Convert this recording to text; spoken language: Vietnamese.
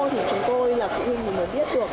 thì chúng tôi là phụ huynh mình mới giết được